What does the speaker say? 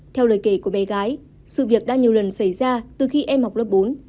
theo lời kể của bé gái sự việc đã nhiều lần xảy ra từ khi em học lớp bốn